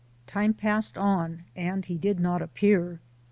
Time passed on, and he did not appear.